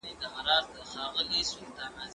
زه اجازه لرم چي پاکوالی وکړم!.